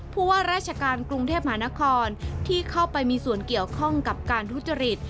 ว่าราชการกรุงเทพมหานครที่เข้าไปมีส่วนเกี่ยวข้องกับการทุจริต